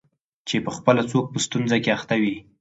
چي پخپله څوک په ستونزه کي اخته وي